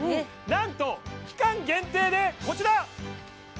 なんと期間限定でこちら！